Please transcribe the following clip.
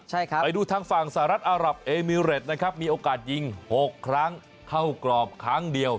ไปดูทางฝั่งสหรัฐอารับเอมิเรตมีโอกาสยิง๖ครั้งเข้ากรอบครั้งเดียว